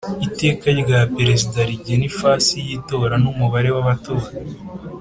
Iteka rya Perezida rigena ifasi y itora n umubare wabatora